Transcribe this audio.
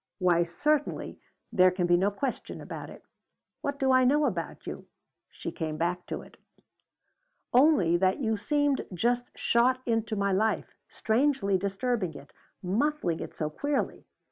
Why certainly there can be no question about it. What do I know about you?" she came back to it. "Only that you seemed just shot into my life, strangely disturbing it, ruffling it so queerly.